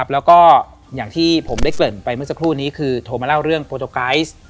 แล้วก็อย่างที่ผมได้เกริ่นไปเมื่อสักครู่นี้คือโทรมาเล่าเรื่องโปรโตไกซ์